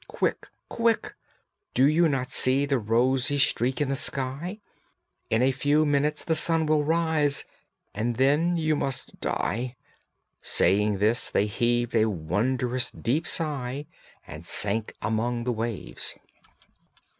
Quick! Quick! do you not see the rosy streak in the sky? In a few minutes the sun will rise and then you must die!' saying this they heaved a wondrous deep sigh and sank among the waves.